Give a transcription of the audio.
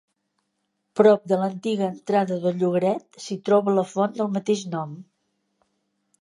Prop de l'antiga entrada del llogaret, s'hi troba la font del mateix nom.